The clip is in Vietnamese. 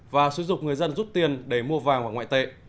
và sử dụng người dân rút tiền để mua vàng hoặc ngoại tệ